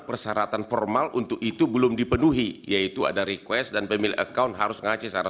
persyaratan formal untuk itu belum dipenuhi yaitu ada request dan family account harus ngasih secara